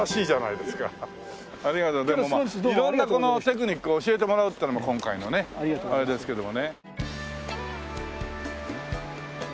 でもまあいろんなこのテクニックを教えてもらうってのも今回のねあれですけどもね。